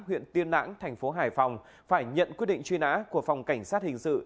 huyện tiên lãng thành phố hải phòng phải nhận quyết định truy nã của phòng cảnh sát hình sự